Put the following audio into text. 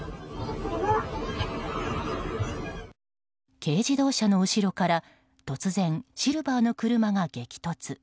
軽自動車の後ろから突然、シルバーの車が激突。